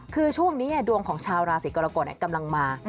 คือช่วงนี้ดวงของชาวราศีกรกฎกำลังมา